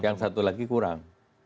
yang satu lagi kurang